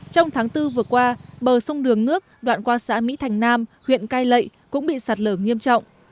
trong tháng bốn vừa qua bờ sông đường nước đoạn qua xã mỹ thành nam huyện cai lệ cũng bị sạt lở nghiêm trọng